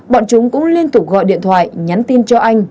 bọn chúng cũng liên tục gọi điện thoại nhắn tin cho anh